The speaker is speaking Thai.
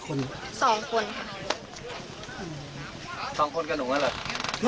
๒คนค่ะ